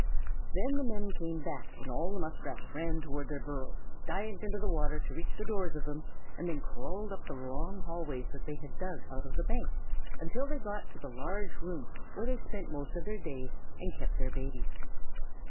Then the men came back and all the Muskrats ran toward their burrows, dived into the water to reach the doors of them, and then crawled up the long hallways that they had dug out of the bank until they got to the large rooms where they spent most of their days and kept their babies.